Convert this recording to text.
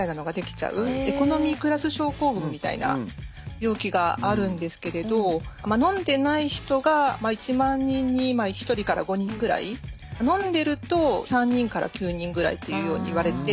エコノミークラス症候群みたいな病気があるんですけれどのんでない人が１万人に１人から５人くらいのんでると３人から９人ぐらいっていうようにいわれて。